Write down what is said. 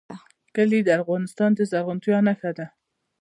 کلي د افغانستان د زرغونتیا نښه ده.